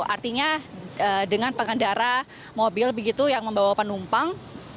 artinya dengan pengendara mobil begitu yang membawa penumpang